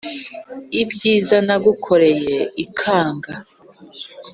ibyiza nagukoreye ikanga